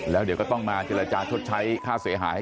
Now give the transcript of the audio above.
แล้วเดี๋ยวก็ต้องมาเจรจาชดใช้ค่าเสียหาย